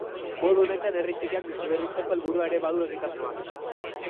Modu honetan herri txikiak biziberritzeko helburua ere ba du egitasmoak.